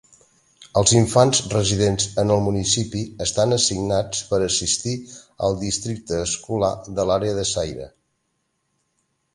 Els infants residents en el municipi estan assignats per assistir al districte escolar de l'àrea de Sayre.